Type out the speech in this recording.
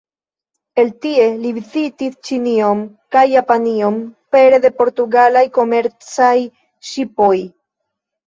El tie, li vizitis Ĉinion kaj Japanion pere de portugalaj komercaj ŝipoj.